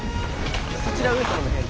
そちら上様の部屋に。